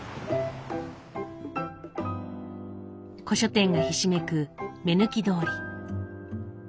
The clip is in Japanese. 古書店がひしめく目抜き通り。